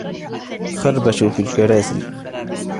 خربشوا في كراسي.